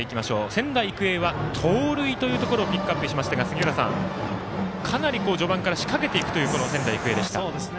仙台育英は盗塁というところをピックアップしましたが杉浦さん、かなり序盤から仕掛けていくという仙台育英でした。